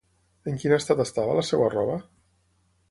En quin estat estava la seva roba?